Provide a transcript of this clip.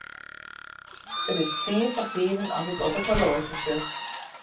It is tsien foar fiven as ik op it horloazje sjoch.